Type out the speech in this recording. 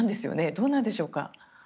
どうなんでしょうか。